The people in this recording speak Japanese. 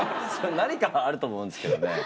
何かはあると思うんですけどね